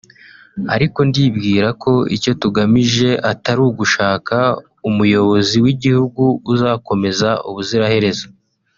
" Ariko ndibwira ko icyo tugamije atari ugushaka umuyobozi w’igihugu uzakomeza ubuzira herezo